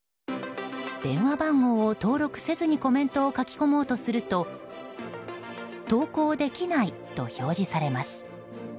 電話番号を登録せずにコメントを書き込もうとすると「投稿できない」と表示されます。